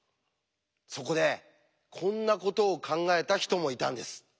そこでこんなことを考えた人もいたんです。